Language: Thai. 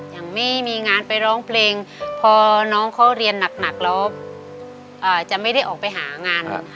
อย่างไม่มีงานไปร้องเพลงพอน้องเขาเรียนหนักแล้วจะไม่ได้ออกไปหางาน